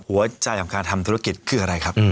หัวใจของการทำธุรกิจคืออะไรครับ